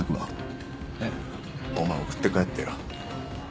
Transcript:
えっ？お前送って帰ってよ。